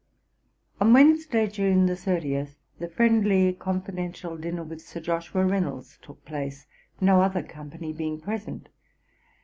On Wednesday, June 30, the friendly confidential dinner with Sir Joshua Reynolds took place, no other company being present.